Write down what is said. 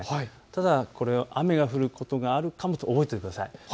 ただ雨が降ることがあるかもと覚えておいてください。